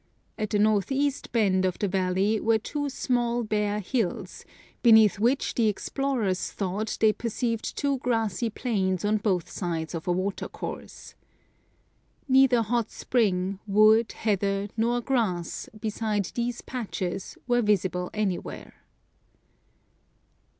At the north east bend of the valley were two small bare hills, beneath which the explorers thought they perceived two grassy plains on both sides of a watercourse. Neither hot spring, wood, heather, nor grass, beside these patches, were visible anywhere."